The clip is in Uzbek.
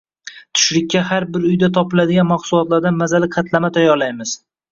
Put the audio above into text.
Tushlikka har bir uyda topiladigan mahsulotlardan mazali qatlama tayyorlaymiz